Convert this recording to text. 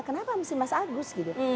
kenapa mesti mas agus gitu